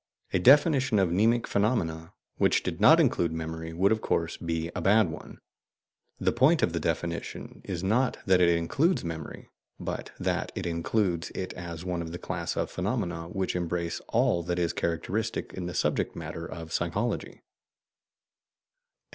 A definition of "mnemic phenomena" which did not include memory would, of course, be a bad one. The point of the definition is not that it includes memory, but that it includes it as one of a class of phenomena which embrace all that is characteristic in the subject matter of psychology.